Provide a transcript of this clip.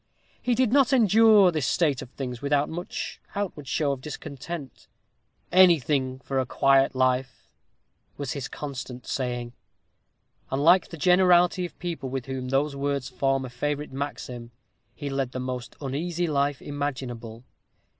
He did not endure this state of things without much outward show of discontent. "Anything for a quiet life," was his constant saying; and, like the generality of people with whom those words form a favorite maxim, he led the most uneasy life imaginable.